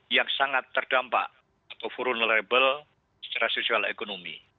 yang sangat terdampak atau vulnerable secara sosial ekonomi